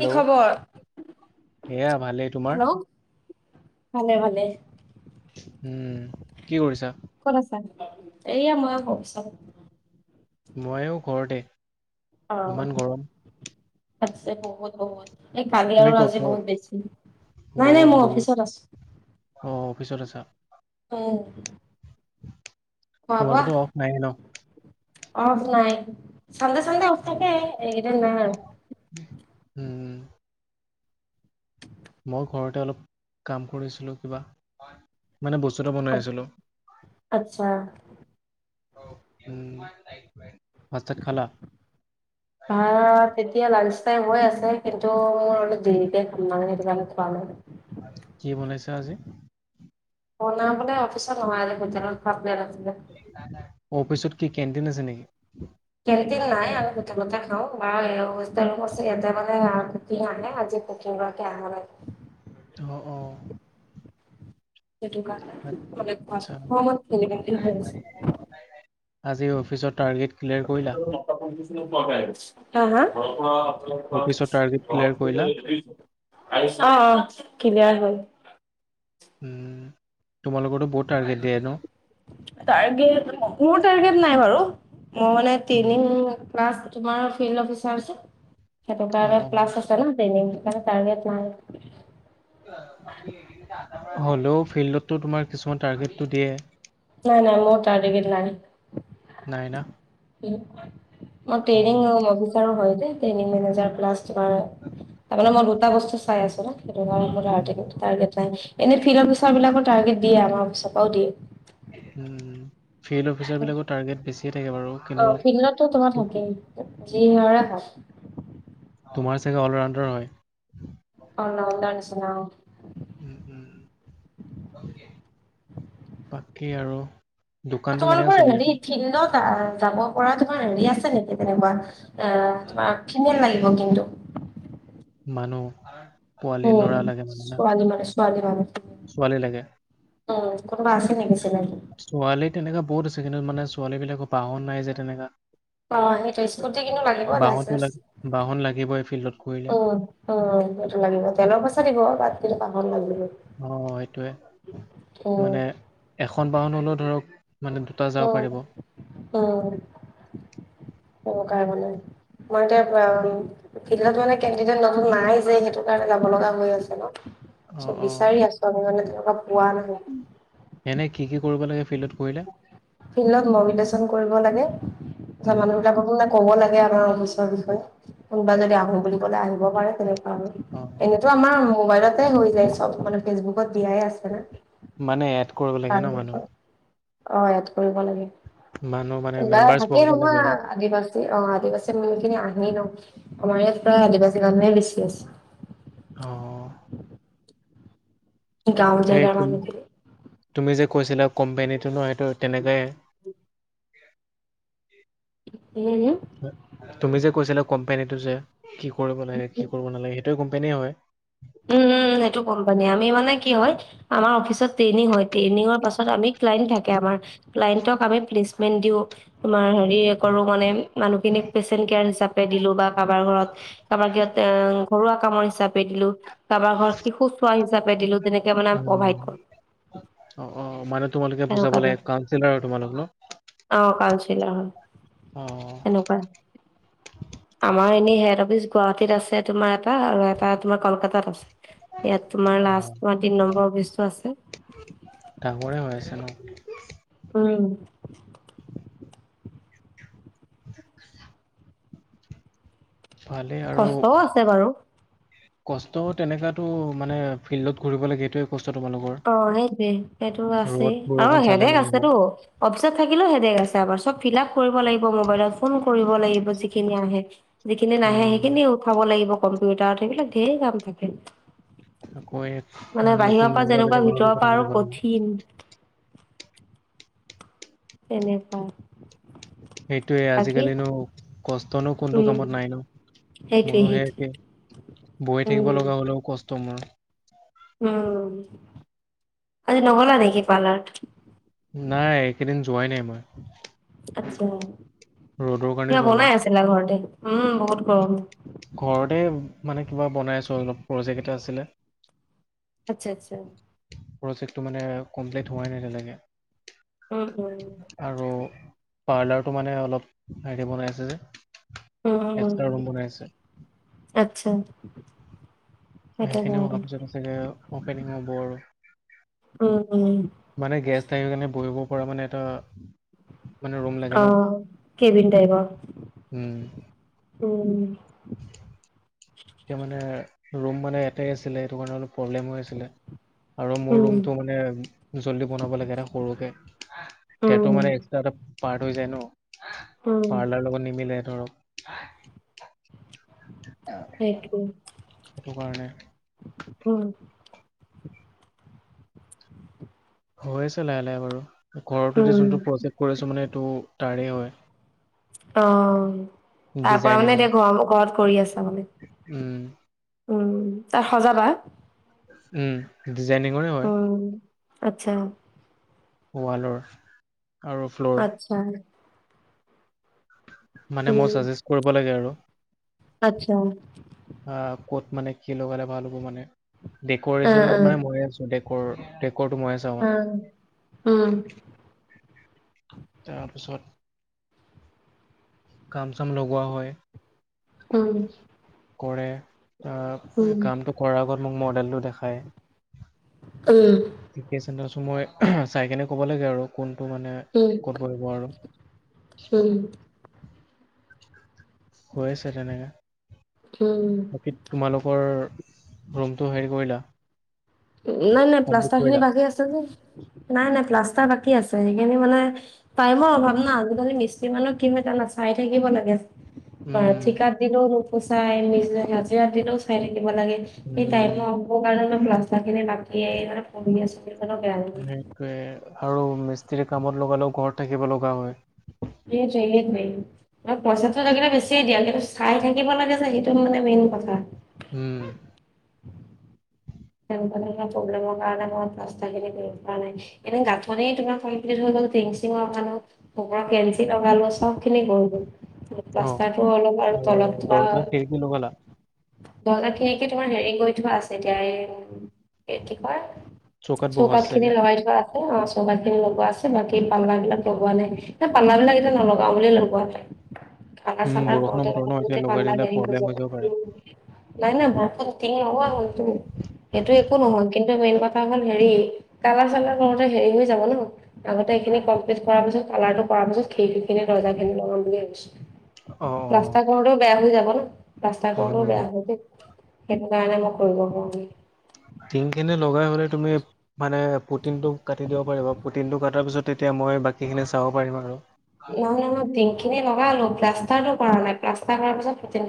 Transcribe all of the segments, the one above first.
কি খবৰ এয়া ভালেই তোমাৰ হেল্ল'- ভালে ভালে উম কি কৰিছা? এয়া ময় ক চা ময়ো ঘৰতে অ ইমান গৰম আছছে বহুত বহুত এই কালি তুমি আৰু ক'ত আজি ঘৰত বহুত বেছি নাই নাই বহুত মই বহুত অফিচত আছো অ অফিচত আছা অ তোমাৰটো টো অফ নাই ন। অফ নাই চান্ধে চান্ধে অফ থাকে এইকেইদিন ন আৰু উম মই ঘৰতে অলপ কাম কৰিছিলোঁ কিবা। মানে বস্তু এটা বনাই আৰু আছিলো। আচ্ছা। অ হো ভা তেতিয়া লচাই হৈ আছে কিন্তু মোৰ দে কি বনাইছ আজি অনা বলে অফিচত নহয়ালত ভাত নছিলে। অফিচত। কি কেণ্টিন আছে নেকি কেনকি নাই আৰু [unintelligible] অ অ সেইটো কাৰণে আচ্ছা সমত কেনে হৈ আছে। আজি অফিচৰ টাৰ্গেট। ক্লিয়াৰ কৰিলা [unintelligible] ছা অ অফিচৰ টাৰ্গেট অ ক্লিয়াৰ কৰিলা কিবা হ'ল উ তোমালোকো বহুত টাৰ্গেট দিয়ে ন। টাৰ্গেট মোৰ টাৰ্গেট নাই বাৰু মই মানে উম, তিনি প্লাছ তোমাৰ ফিল্ড অফিচাৰ আছে সেইটো অ কাৰ অ প্লাছ আছে ন ট্ৰেইনিং মে তাৰ্গেট নাই। হ'লেও ফিল্ডতটো তোমাৰ কিছুমান টাৰ্গেটটো দিয়ে। নাই নাই মোৰ তাৰগেট নাই। নাই না মই টেইৰিং অ', অভিচাৰো হয়। টীম মেনেজাৰ প্লাছ তোমাৰ তাৰে মই দুটা বস্তু চাই আছো না। সেইটো কাৰণোৰ নাই এনে ফিল্ড অফচাৰ বিাক টাৰ্গেট দিয়ে আমাৰ অফচৰ পৰাও দিয়ে। উম। ফিল্ড অফিচাৰবিলাকৰ টাৰ্গেট বেছিয়ে থাকে বাৰু কিন্তু যি হয় কুমাৰ চাগে অলৰাউণ্ডাৰ হয়। অলৰাউণ্ডাৰ নিচিনা অ। উ উম বাকী আৰু দোকানটো কেনেকা তোমালোকৰ চলি আছে হেৰি ফিলডত যাব পৰা তোমাৰ হেৰি আছে নেকি তেনেকুৱা অ তোমাৰ ফিমেল লাগিব কিন্তু মানু্হ।। অ ছোৱালী মানুহ, ছোৱালী মানুহ। ছোৱালী লাগে। কোনোবা আছে নেকি চিনাকি ছোৱালী তেনেকা বহুত আছে, কিন্তু মানে ছোৱালীবিলাকৰ বাহন নাই যে তেনেকা। অ' সেইটো স্কুটি কিন্তু লাগিব, বাহনটো লাইচেন্স। লাগে বাহন লাগিবই ফিল্ডত কৰিলে উম উম। সেইটো লাগিব তেলৰ পইচা দিব। তাত কিন্তু বাহন লাগিবই। অ সেইটোয়ে উম, মানে এখন বাহন হ'লেও ধৰক, মানে দুটা যাব অ', পাৰিব উম, [unintelligible] মই এতিয়া ফিল্ডত মানে, কেনদিদেট নতুন নাই যে, সেইটোকাৰণে যাব লগা হৈ আছে ন! অ চ' অ বিচাৰি আছো আমি মানে পোৱা নাই। এনে কি কি কৰিব লাগে ফিল্ডত? কৰিলে ফিল্ডত মবিলেচন কৰিব লাগে। তাৰপিছত উম, মানুহবিলাককো মানে ক'ব লাগে, আমাৰ অফিচৰ বিষয়ে। কোনোবা যদি আহো বুলি আহিব পাৰে, তেনেকুৱা আৰু। অ, এনেতো আমাৰ মোবাইলতে হৈ যায় চব মানে, ফেচবুকত দিয়াই আছে না! মানে এড কৰিব লাগে তাৰ ন মানুহ? অ' এড কৰিব লাগে। মানুহ মানে কিবা মেম্বাৰ্চ থাকেই বঢ়াব লাগে নহয় আৰু। আদিব অ' আদিবাসী মানুহখিনি আহেই ন? আমাৰ ইয়াত প্ৰায় আদিবাসী মানুহে বেছি আছে। অ'। গাঁও সেই, জেগাৰ মানুহখিনি তু-তুমি যে কৈছিলা কোম্পানীটো ন? সেইটো তেনেকাই। তুমি যে কৈছিলা কোম্পনীটো যে, কি কৰিব লাগে, কি কৰিব নালাগে! সেইটোৱে কোম্পানীয়ে হয়। উম উম, সেইটো কোম্পানীয়ে। আমি মানে কি হয়! আমাৰ অফিচত মানে ট্ৰেইনিং হয়, ট্ৰেইনিংৰ পাছত ক্লাইণ্ট থাকে ক্লাইণ্টক আমি প্লেচমেণ্ট দিও, তোমাৰ হেৰি কৰো মানে মানুহখিনিক পেচেন্ট কেয়াৰ হিচাপে দিলো, বা কাৰোবাৰ ঘৰত। কাৰোবাৰ ঘৰত এ ঘৰুৱা কামৰ হিচাপে দিলো। কাৰোবাৰ ঘৰত শিশু চোৱা হিচাপে দিলো, তেনেকে মানে আমি উম, প্ৰভাইড কৰো। অ' অ' মানে তোমালোকে তেনেকুৱা বুজাব ধৰণৰ লাগে। কাউঞ্চিলৰ আৰু তোমালোক ন? অ' [unintelligible] হয় অ, তেনেকুৱাই আমাৰ এনে হেড অফিচ গুৱাহাটীত আছে তোমাৰ এটা, আৰু এটা তোমাৰ কলকাতাত আছে। ইয়াত তোমাৰ অ, লাষ্ট তোমাৰ তিনি নম্বৰ অফিচটো আছে। ডাঙৰে হৈ আছে ন? উম। [inaudible] [inaudible] আৰু কষ্টও আছে বাৰু! কষ্ট তেনেকাতো, মানে ফিল্ডত ঘূৰিব লাগে এইটোৱে কষ্ট তোমালোকৰ। অ' সেইটোৱে। সেইটো আছেই। ৰ'দ আৰু বৰষুণ চালে হেদেক নহ'ব। আছেতো, অফিচত থাকিলেও হেদেক আছে। চব ফিলআপ কৰিব লাগিব মোবাইলত, ফোন কৰিব লাগিব যিখিনি আহে! যিখিনি নাহে উম। সেইখিনি উঠাব লাগিব কম্পিউটাৰত। সেইবিলাক ঢেৰ কাম থাকে। আকৌ, মানে বাহিৰৰ নতুন পৰা যেনেকুৱা মেম্বাৰবিলাকৰ লগতো ভিতৰৰ কথা পৰা আৰু পাতিব লাগিব! কঠিন এনেকুৱাই সেইটোয়ে আজিকালিনো, কষ্টনো কোনটো উম কামত নাইনো? সেইটোৱে মোৰো সেয়ে সেইটোৱে একে। বহি থাকিব উম লগা হ'লেও কষ্ট মোৰ। উম, আজি নগ'লা নেকি পাৰ্লাৰত? নাই, এইকেইদিন যোৱাই নাই মই। আচ্ছা। ৰ'দৰ কাৰণে কিবা যোৱা নাই বনাই আছিলা ঘৰতে? উম বহুত গৰম। ঘৰতে মানে কিবা বনাই আছো অলপ। প্ৰজেক্ট এটা আছিলে আচ্ছা আচ্ছা। প্ৰজেক্টটো মানে কমপ্লিট হোৱাই নাই এতিয়ালৈকে। উম উম। আৰু পাৰ্লাৰটো মানে অলপ হেৰিকে বনাই আছে যে, উম উম। এক্সট্ৰা ৰুম বনাই আছে। আচ্ছা। সেইটো সেইখিনিও কাৰণে। হোৱাৰ পিছত আগে মিঙ বৰ উম। উম। মানে গেছ থাকিব কাৰণে বহিব পৰা মানে এটা মানে ৰুম লাগে অ ন উম [unintelligible] এতিয়া মানে ৰুম মানে এটাই আছিলে সেইটো কাৰণে অলপ প্ৰব্লেম হৈ আছিলে। আৰু মোৰ উম ৰুমটো মানে জল্দি বনাব লাগে, এটা সৰুকে তাতটো উম মানে এক্সট্ৰা এটা পাৰ্ট হৈ যায় ন উম। পাৰ্টাৰ লগত নিমিলে ধৰক সেইটোৱে। সেইটো কাৰণে। উম। হৈ আছে লাহে লাহে বাৰু, ঘৰতো যে উম। যোনটো প্ৰজেক্ট কৰিছো মানে এইটো তাৰে হয়। আহ! তাৰ পৰা মানে ডিজাইনিঙৰ এতিয়া ঘ- ঘৰত কৰি আছা মানে। উম, তাৰ সজাবা? উম ডিজাইনিঙৰে হয়। আত্ছা। ৱালৰ আৰু ফ্ল'ৰ। আচ্ছা। মানে মোৰ চাজেষ্ট কৰিব লাগে আৰু আৰ্টচা। আহ, ক'ত মানে কি লগালে ভাল হ'ব মানে অ' ডেক'ৰেচনত মানে অ'। ময়ে আছো। দেকৰ ক'ত সোমাই আছা মানে। অ', উম তাৰপিছত কাম চাম লগোৱা হয়। উম। কৰে আহ উম। কামটো কৰাৰ আগত মোক মডেলটো দেখায়। উম, ঠিকেই আছে নাই মই চাই কেনে ক'ব লাগে আৰু কোন টো মানে উম, ক'ত বহিব আৰু। উম, হৈ আছে তেনেকা। উম, বাকী তোমালোকৰ? ৰোমটো হেৰি কৰিলা? নাই নাই কমপ্লিট প্লাষ্টাৰ খিনি কৰিলা বাকী আছে যে। নাই নাই প্লাষ্টাৰ বাকী আছে সেইখিনি মানে টাইমৰ অভাৱ না মিস্ত্ৰী মানুহ কি হয় জানা চাই থাকিব লাগে। অ উম ঠিকাত দিলেও চাই নিজ হাজিৰা দিনও চাই থাকিব লাগে সেই টাইম উম হ'বৰ কাৰণে প্লা চনে বাকী এ শুওঁ বুলি ভাবিছোঁ। সেয়ে আৰু মিস্ত্ৰী কামত লগালেও ঘৰত থাকিব লগা হয়। এইটোয়ে এইটোয়ে [unintelligible] ম পইচাটো লাগিলে বেছিয়ে দিয়া কিন্তু চাই থাকিব লাগে যে সেইটো মানে মেইন কথা। উম তেনেকুৱা তেনেকুৱা প্ৰব্লেমৰ কাৰণে মই প্লাষ্টাৰ খিনি কৰিব নাই। এনে গাঠনি তোমাৰ কমপ্লিট টিং চিঙৰ মানুহৰ কেঞ্চি লগালো চব খিনি গৈ গল। অ প্লাষ্টাটো অলপ আৰু তলত বা দৰ্জা খিৰিকী লগালা দৰ্জা খিৰিকী তোমাৰ হেৰি কৈ থোৱা আছে এতিয়া এই কি কয় চৌকাত বহোৱা চৌকাথ আছে খিনি চাগে লগাই থোৱা আছে। অ চৌকাত খিনি লগোৱা আছে বাকী পাল্লা বিলাক লগোৱা নাই। নাই পাল্লা বিলাক এতিয়া নলগাও বুলিয়ে লগোৱা নাই। খানা উম চামাৰ বত বৰষুণৰ বতৰ ন এতিয়া লগাই পাল্লা দিলে হেৰি হৈ প্ৰব্লেম যাব পাৰে [unintelligible] নাই নাই বৰষুণ তিঙ লগোৱা হলটো। সেইটো একো নহয় কিন্তু মেইন কথা হল হেৰি, কালাৰ চালাৰ কৰতে হেৰি হৈ যাব ন। আগতে এইখিনি কমপ্লিট কৰাৰ পিছত কালাৰটো কৰাৰ পিছত খিৰিকী খিনি, দৰ্জাখিনি লগাম বুলি অ অ ভাবিছো। প্লাষ্টাৰ কৰোটোও বেয়া হৈ যাব ন প্লাষ্টা কৰোটোও উম বেয়া হৈ যায় সেইটো কাৰণে মই কৰিব পৰা নাই। টিঙখিনি লগাই হলে তুমি মানে পুতিনটো কাটি দিব পাৰিব পুটিনটো কটাৰ পিছত তেতিয়া। মই বাকী খিনি চাব পাৰিম আৰু। নহয় নহয় টিঙখিনি লগালো, প্লাষ্টাৰটো কৰা নাই প্লাষ্টাৰ কৰাৰ পিছত পুটিন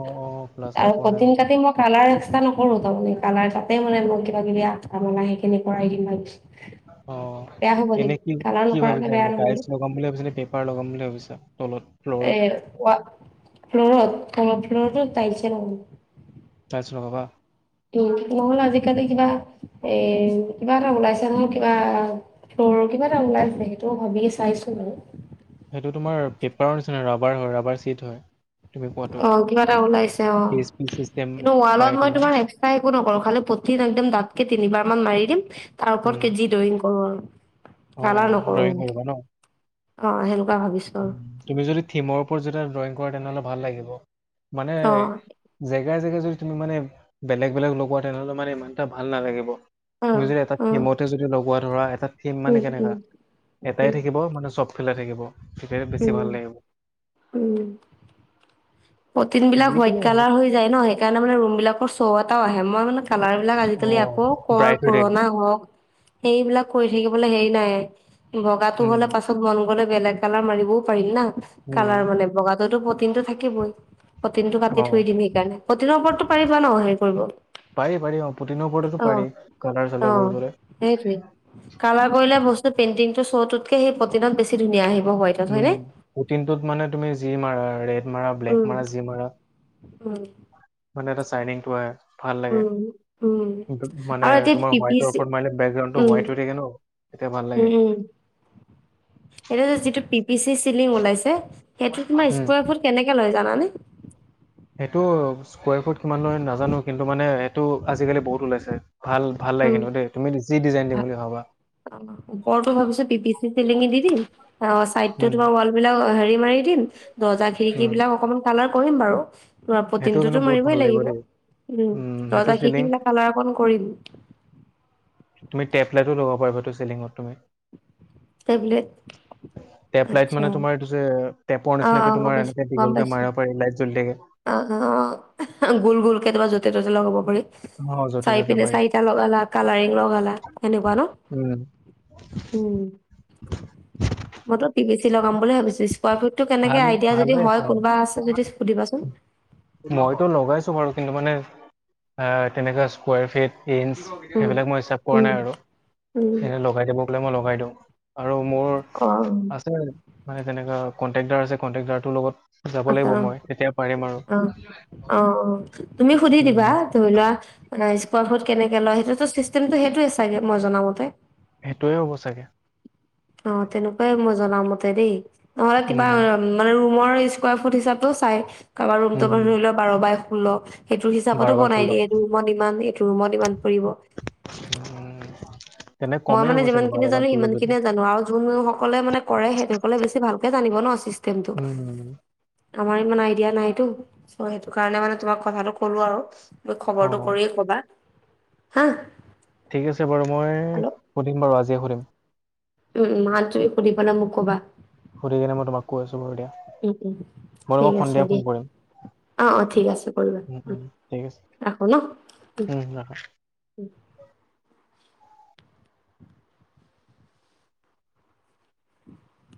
অ', অ', প্লাষ্টাৰ আৰু কৰা নাই কঠিন মানে কাটিন মই কালাৰ চেষ্টা নকৰো। তাৰমানে কালাৰ তাতে মানে মই কিবা কিবি মানে সেইখিনি কৰাই দিম। অ' বেয়া হ'ব এনে নেকি কি কালাৰ কি নকৰাকে ভাবিছা বেয়া এনে নহয় ন পাইলচ লগাম বুলি ভাবিছ নে পেপাৰ লগাম বুলি ভাবিছা? তলত এ ফ্ল'ৰত ফ্ল'ত ফ্ল'ৰত তাইলচে লগাম। চ লগাবা। উ নহ'লে আজিকালি কিবা এ কিবা এটা ওলাইছে নহয় কিবা। সৰুৰ কিবা এটা ওলাই নে সেইটো ভাবে চাইছো আৰু সেইটো তোমাৰ পেপাৰৰ নিচিনা ৰাবাৰ হয়। ৰাবাৰ চিট হয়। তুমি কোৱাটো আহ কিবা এটা ওলাইছে P O S P system কিন্তু পাই ৱালত মই তোমাৰ এক্সট্ৰা একো নকৰো খালি পুটিন একদম দাঁতকে তিনিবাৰ। মান মাৰি দিম তাৰ উম, ওপৰত জি ড্ৰয়িং কৰো আৰু অ' কালাৰ অ' নকৰো ড্ৰয়িং মানে। কৰিব ন? অ' সেনেকুৱা ভাবিছো আৰু তুমি যদি থিমৰ ওপৰত যেতিয়া, ম অ' [unintelligible] জেগা জেগা যদি তুমি মানে বেলেগ বেলেগ লগোৱা, তেনেহ'লে মানে ইমান এটা ভাল নালাগিব। তুমি অ' যদি এটা অ' থিমতে যদি লগোৱা ধৰা এটা, থিম মানে উম, কেনেকা, উম, এটাই উম, থাকিব মানে চব ফালে থাকিব। বেছি ভাল উম, লাগিব। প্ৰটিন বিলাক হোৱাইট যিকোনো হওক কালাৰ হৈ যায় ন, সেইকাৰণে মানে ৰুম বিলাকৰ শ' এটাও আহে। মই মানে কালাৰ বিলাক আজিকালি অ' আকৌ কৰ ব্ৰাইট হৈ থাকে। পুৰণা হওক। সেইবিলাক কৰি থাকিবলৈ হেৰি নাই। বগাটো উম, হলে পাছত মন গ'লে বেলেগ কালাৰ মাৰিব। ও পাৰিল না কালাৰ উম, মানে বগাতো প্ৰটিনটো থাকিবই। প্ৰটিনটো পাতি থৈ অ' দিম সেইকাৰণে, প্ৰটিনৰ ওপৰতটো পাৰিব ন হেৰি কৰিব। পাৰি পাৰি অ' পুটিনৰ ওপৰতো পাৰি অ' কালাৰ চালাৰ অ' কৰিবলৈ। সেইটোৱেই কালাৰ কৰিলে বস্তু - পেইণ্টিংটো শ্ব টোতকে সেই প্ৰতিনট বেছি ধুনীয়া আহিব। হোৱাইটত হয়নে পুটিনটোত মানে তুমি যি মাৰা, ৰেড মাৰা, ব্লেক উম মাৰা, যি মাৰা। উম মানে এটা চাইনিং টো হয়। ভাল লাগে। উম উম মানে আৰু এতিয়া তোমাৰ পি পি হোৱাইটৰ চি ওপৰত মাৰিলে বেকগ্ৰাউণ্ডটো উম, হোৱাইট হৈ থাকে ন। এতিয়া ভাল লাগে। এটো যে যিটো পি পি চি চিলিং ওলাইছে, সেইটো তোমাৰ উম স্কাৰ ফুট কেনেকে লয় জানানে? সেইটো স্কোৱেৰ ৰ ফুট কিমান নাজানো। কিন্তু মানে সেইটো আজিকালি বহুত ওলাইছে। ভাল ভাল লাগে উম, কিন্তু দেই, তুমি যি ডিজাইন দিম ভা- বুলি ভাবা। অ' ওপৰতটো ভাবিছো পি পি চি চিলিঙি দি দিম, অ' চাইদটো উম তোমাৰ ৱাল বিলাক হেৰি - মাৰি দিম, দৰ্জা খিৰিকী উম বিলাক অকমান কালাৰ কৰিম বাৰু। সেইটো কিন্তু পটিনটোতো বহুত ভাল মাৰিবই লাগিব। দেই উ উম সেইটো দৰজা চিলিং খিকি বিলাক কালাৰ অকণ কৰিম। তুমি টেপ লাইটো ল'ব পাৰিবাটো চেলিঙত তুমি। টেবলেট তেপ লাইট আচ্ছা মানে তোমাৰ এইটো যে, টেপৰ অ', অ', নিচিনাকৈ গম তোমাৰ পাইছো এনেকৈ গম দীঘলৈ পাইছো মাৰিব পাৰি, লাইট জ্বলি থাকে। অ' গোল গোল কেতিয়াবা য'তে ত'তে লগ হ'ব পাৰি। অ য'তে চাৰি ত'তে পিনে পাৰি চাৰিটা লগালা কালাৰিং লগালা। এনেকুৱা ন? উম উম। মল [unintelligible] পিব ষ্ট লগাম বুলি ভাবিছো। স্কোৱাৰাৰ ফিট টো কেনেকে ভাল আইডিয়া যদি ভালে হয়, আছে অ কোনোবা আছে যদি সুধিবাচোন। মইতো লগাইছো বাৰু। কিন্তু মানে এ তেনেকোৱা স্কাৰ ফিট- ইন্ছ, উম সেইবিলাক মই হিচাপ কৰা উম নাই আৰু উম, সেইবিলাক লগাই দিব গ'লে মই লগাই দিওঁ। আৰু মোৰ আছে অ'। মানে তেনেকা কনট্ৰেক্দাৰ আছে। কন্ট্ৰেকদাৰটোৰ লগত, যাব আচ্ছ লাগিব অ' মই তেতিয়া পাৰিম আৰু অ' অ' অ' তুমি সুধি দিবা, উম ধৰি লোৱা া [unintelligible] স্কোৱাৰ ফুট কেনেকে লয়, সেইটোতো চিষ্টেমটো সেইটোৱে চাগে মই জনা মতে। সেইটোৱে হ'ব চাগে। অ' তেনেকুৱাই মই জনা মতে দেই। নহলে কিবা উম মানে ৰুমৰ স্কুৱাৰ ৰ ফুট হিচাপেও চাই। কাৰোবাৰ ৰুমটো ধৰি উম লও বাৰ বাই ষোল্ল। সেইটো বাৰ হিচাপতো বাৰ বনাই ষোল্ল দিয়ে, এইটো ৰুমত ইমান এইটো ৰুমত ইমান। কৰিব। উম তেনে মই কমেই মানে হ'ব যিমান চাগে বাৰ খিনি বাৰ জানো ষোল্ল সিমান যদি খিনিয়ে জানো আৰু যোন সকলে মানে কৰে, সেই সকলে বেছি ভালকে জানিব ন। চিষ্টেমটো। উম হম। আমাৰ ইমান আইডিয়া নাইতো, সেইটো কাৰণে মানে তোমাক কথাটো কলো আৰু। ত অ খবৰটো কৰিয়ে ক'বা হা। ঠিক আছে বাৰু মই হেল্ল' সুধিম বাৰু আজিয়ে সুধিম। উম মে সুধি পেলাই মোক কবা। সুধি কিনে মই তোমাক কৈ আছো বাৰু দিয়া। উম উম মই ঠিক তোমাক আছে সন্ধিয়া ফোন দিয়া কৰিম। অ অ ঠিক আছে কৰিবা উম উম ঠিক আছে ৰাখো ন। উম হম